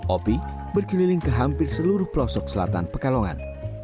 opi berkeliling ke hampir seluruh pelosok selatan pekalongan